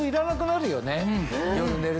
夜寝る時。